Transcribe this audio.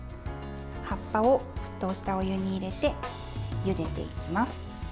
葉っぱを沸騰したお湯に入れてゆでていきます。